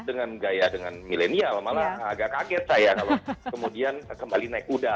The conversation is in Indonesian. dengan gaya dengan milenial malah agak kaget saya kalau kemudian kembali naik kuda